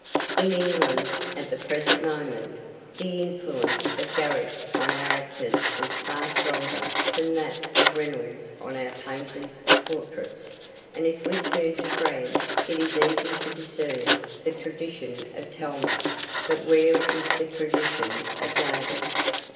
In England, at the present moment, the influence of Garrick on our actors is far stronger than that of Reynolds on our painters of portraits, and if we turn to France it is easy to discern the tradition of Talma, but where is the tradition of David?